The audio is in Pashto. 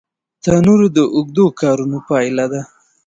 تنور د اوږدو کارونو پایله ده